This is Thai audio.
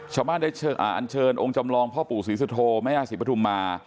ชาวบ้านได้อันเชิญองค์จำลองพ่อปู่ศรีสุโธแม่ย่าศรีปฐุมมา